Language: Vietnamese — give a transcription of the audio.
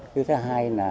thứ hai là